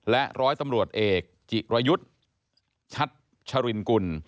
และร้อยตำรวจเอกจิรยุทธ์ชัดชรินกุล